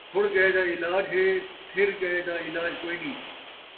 تھُڑ ڳئے دا علاج ہے، تھِر ڳئے دا علاج کوئی